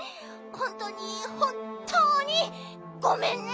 ほんとうにほんとうにごめんね！